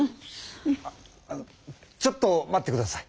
ああのちょっと待ってください！